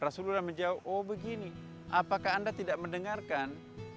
rasulullah menjawab oh begini apakah anda tidak mendengarkan